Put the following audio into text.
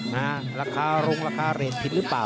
ราคารงราคาเรทผิดหรือเปล่า